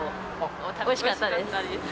おいしかったです。